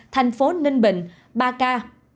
thành phố ninh bình ba ca